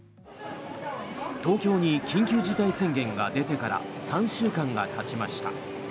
東京に緊急事態宣言が出てから３週間がたちました。